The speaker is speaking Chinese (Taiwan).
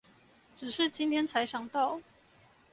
只是今天才想到